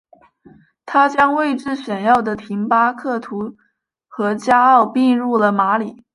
他将位置显要的廷巴克图和加奥并入了马里。